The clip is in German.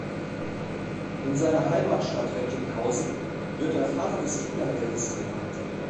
In seiner Heimatstadt Recklinghausen wird er „Vater des Kindergeldes“ genannt.